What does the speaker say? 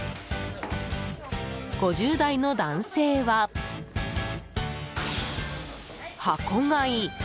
５０代の男性は、箱買い。